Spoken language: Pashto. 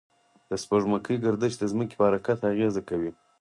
د سپوږمۍ گردش د ځمکې پر حرکت اغېز کوي.